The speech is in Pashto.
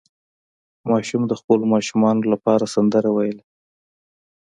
ماشوم د خپلو ماشومانو لپاره سندره ویله.